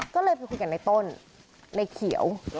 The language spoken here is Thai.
ก็เลยไปคุยกับในต้นในเขียว